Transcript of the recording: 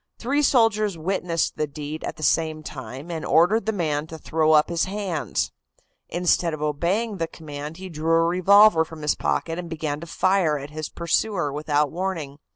Three soldiers witnessed the deed at the same time and ordered the man to throw up his hands. Instead of obeying the command he drew a revolver from his pocket and began to fire at his pursuer without warning.